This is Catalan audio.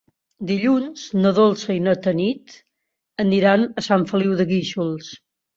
Dilluns na Dolça i na Tanit aniran a Sant Feliu de Guíxols.